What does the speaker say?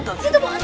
di situ pak